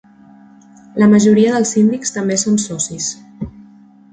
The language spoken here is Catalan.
La majoria dels síndics també són socis.